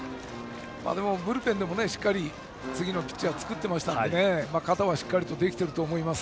でも、ブルペンでもしっかり次のピッチャーを作ってましたので肩はしっかりできていると思います。